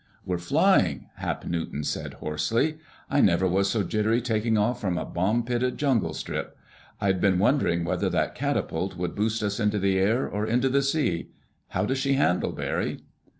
"We're flying!" Hap Newton said hoarsely. "I never was so jittery taking off from a bomb pitted jungle strip. I'd been wondering whether that catapult would boost us into the air or into the sea. How does she handle, Barry?"